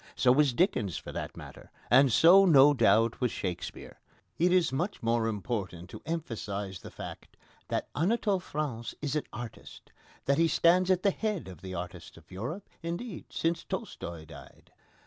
So was Dickens for that matter, and so, no doubt, was Shakespeare. It is much more important to emphasise the fact that Anatole France is an artist that he stands at the head of the artists of Europe, indeed, since Tolstoi died.